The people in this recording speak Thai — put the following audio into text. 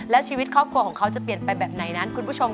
และชีวิตครอบครัวของเขาจะเปลี่ยนไปแบบไหนนั้นคุณผู้ชม